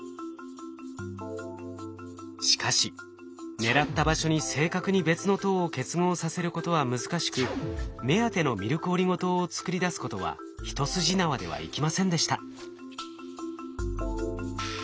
しかし狙った場所に正確に別の糖を結合させることは難しく目当てのミルクオリゴ糖を作り出すことは一筋縄ではいきませんでした。